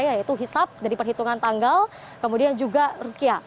yaitu hisap dari perhitungan tanggal kemudian juga rukiah